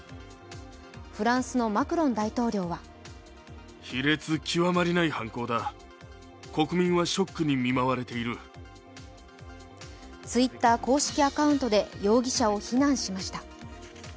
フランスのマクロン大統領はＴｗｉｔｔｅｒ公式アカウントで容疑者を非難しました。